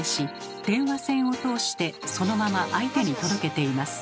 電話線を通してそのまま相手に届けています。